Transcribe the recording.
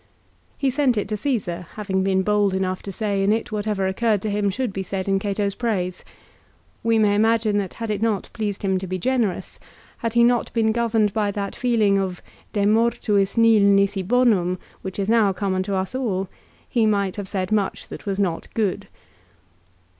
He sent it to Csesar, having been bold enough to say in it whatever occurred to him should be said in Cato's praise. We may imagine that had it not pleased him to be generous, had he not been governed by that feeling of " De mortuis nil nisi bonum," which is now common to us all, he might have said much that was not good.